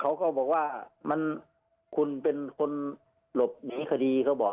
เขาก็บอกว่ามันคุณเป็นคนหลบหนีคดีเขาบอก